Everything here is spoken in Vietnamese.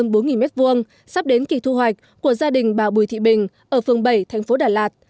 vườn rau xà lách hơn bốn m hai sắp đến kỳ thu hoạch của gia đình bà bùi thị bình ở phường bảy thành phố đà lạt